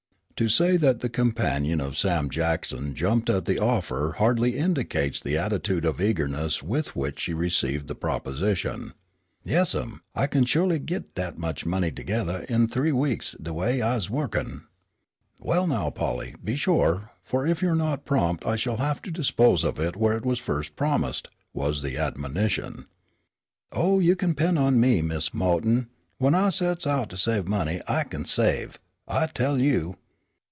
To say that the companion of Sam Jackson jumped at the offer hardly indicates the attitude of eagerness with which she received the proposition. "Yas'm, I kin sholy git dat much money together in th'ee weeks de way I's a wo'kin'." "Well, now, Polly, be sure; for if you are not prompt I shall have to dispose of it where it was first promised," was the admonition. "Oh, you kin 'pend on me, Mis' Mo'ton; fu' when I sets out to save money I kin save, I tell you."